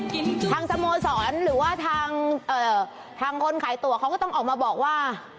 ใครทางสโมสรหรือว่าทางคนขายตั๋วเขาก็ต้องออกมาบอกว่า